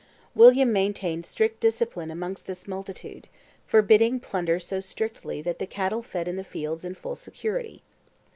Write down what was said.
William maintained strict discipline amongst this multitude, forbidding plunder so strictly that "the cattle fed in the fields in full security."